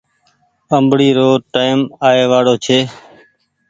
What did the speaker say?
آمبڙي رو ٽئيم آئي وآڙو ڇي۔